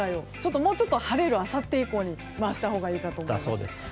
もうちょっと晴れるあさって以降に回したほうがいいと思います。